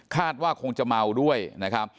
คาดว่าคงจะเมาด้วยนะครับ